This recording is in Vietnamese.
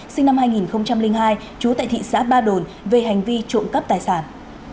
sinh năm hai nghìn hai trú tại thị xã ba đồn về hành vi trộm cắp tài sản